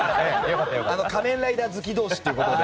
仮面ライダー好き同士ということで。